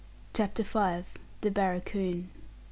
CHAPTER V. THE BARRACOON.